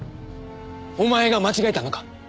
お前が間違えたのか？